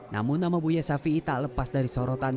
namun nama buya shafi'i tak lepas dari sorotan